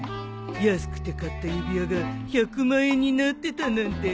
安くて買った指輪が１００万円になってたなんて。